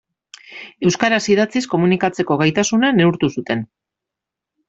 Euskaraz idatziz komunikatzeko gaitasuna neurtu zuten.